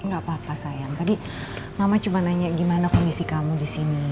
nggak apa apa sayang tadi mama cuma nanya gimana kondisi kamu di sini